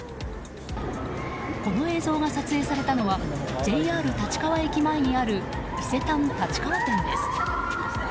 この映像が撮影されたのはＪＲ立川駅前にある伊勢丹立川店です。